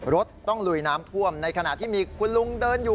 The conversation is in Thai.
รถต้องลุยน้ำท่วมในขณะที่มีคุณลุงเดินอยู่